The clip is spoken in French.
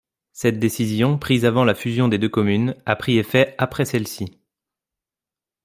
Cette décision prise avant la fusion des deux communes a pris effet après celle-ci.